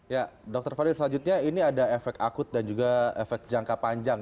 ya dokter fadil selanjutnya ini ada efek akut dan juga efek jangka panjang